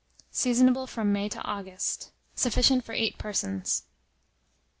Seasonable from May to August. Sufficient for 8 persons.